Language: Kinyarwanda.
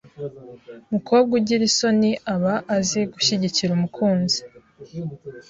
mukobwa ugira isoni aba azi gushyigikira umukunzi